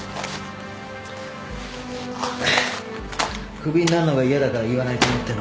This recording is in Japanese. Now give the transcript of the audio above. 首になんのが嫌だから言わないと思ってんのか？